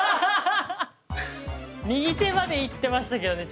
右手までいってましたけどね